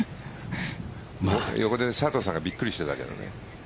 横で佐藤さんがびっくりしてたけど。